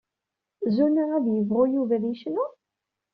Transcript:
Zuna ad yebɣu Yuba ad yecnu?